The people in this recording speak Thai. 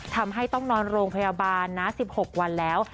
ทำให้ต้องนอนโรงพยาบาลนะ๑๖วันแล้ว